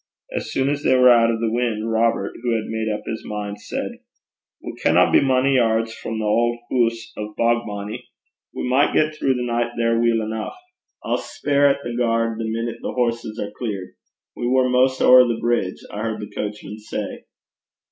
As soon as they were out of the wind, Robert, who had made up his mind, said, 'We canna be mony yairds frae the auld hoose o' Bogbonnie. We micht win throu the nicht there weel eneuch. I'll speir at the gaird, the minute the horses are clear. We war 'maist ower the brig, I heard the coachman say.'